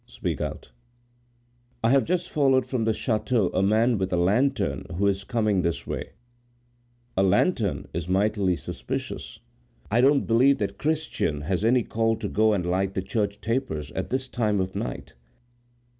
"Speak out." "I have just followed from the chateau a man with a lantern who is coming this way. A lantern is mightily suspicious! I don't believe that Christian has any call to go and light the church tapers at this time of night.